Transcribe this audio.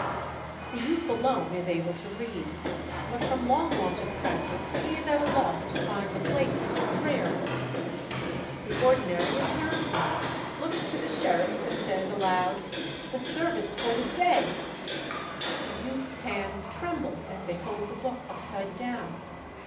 The youth alone is able to read, but from long want of practice he is at a loss to find the place in his prayer book. The ordinary observes him, looks to the sheriffs, and says aloud, 'The service for the dead!' The youth's hands tremble as they hold the book upside down.